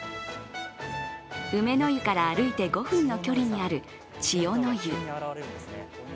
梅の湯から歩いて５分の距離にある千代の湯。